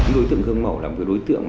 đối tượng hương mẩu là một đối tượng